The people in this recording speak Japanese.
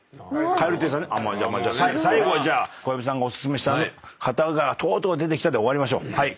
最後じゃあ小籔さんがお薦めした方が出てきたで終わりましょう。